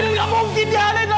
ini gak mungkin